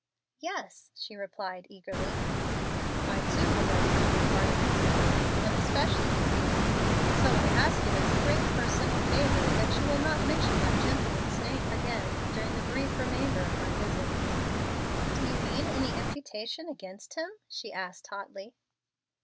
"Yes," she replied, eagerly. "I too would like to be regarded as a friend, and especially to you; so I ask it as a great personal favor that you will not mention that gentleman's name again during the brief remnant of my visit." "Do you mean any imputation against him?" she asked, hotly.